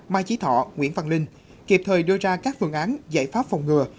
mai chí thọ nguyễn văn linh kịp thời đưa ra các phương án giải pháp phòng ngừa